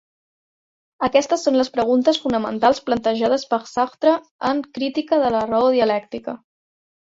Aquestes són les preguntes fonamentals plantejades per Sartre en Crítica de la raó dialèctica.